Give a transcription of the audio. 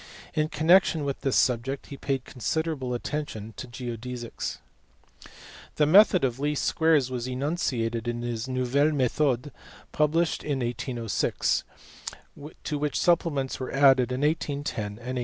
In connection with this subject he paid considerable attention to geodesies. The method of least squares was enunciated in his Nouvelles methodes published in 1806, to which supplements were added in 1810 and 1820.